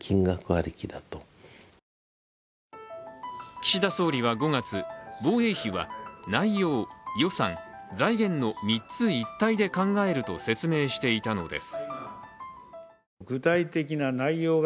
岸田総理は５月、防衛費は内容・予算・財源の３つ一体で考えると説明していたのです。